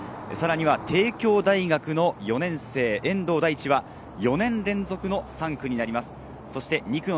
さらには帝京大学の４年生、遠藤大地は４年連続の３区になります。